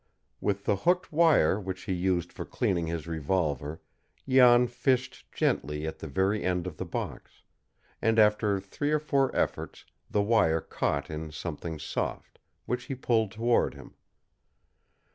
With the hooked wire which he used for cleaning his revolver Jan fished gently at the very end of the box, and after three or four efforts the wire caught in something soft, which he pulled toward him.